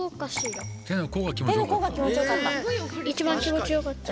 一番気持ちよかった。